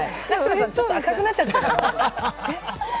ちょっと赤くなってたから。